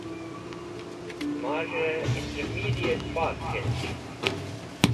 Maz̃hey Intermediate pass k̃hetk.